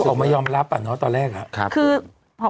ค่ะออกมายอมรับตอนแรกครับค่ะคือครับ